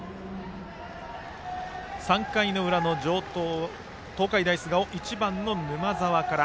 ３回の裏の東海大菅生は１番の沼澤から。